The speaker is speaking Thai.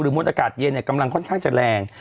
หรือมดอากาศเย็นเนี่ยกำลังค่อนข้างจะแรง